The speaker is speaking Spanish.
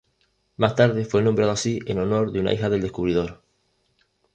Más tarde fue nombrado así en honor de una hija del descubridor.